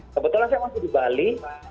kebetulan saya masih di bali